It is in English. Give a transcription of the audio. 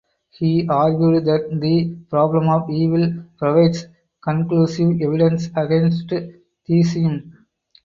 He argued that the problem of evil provides conclusive evidence against theism.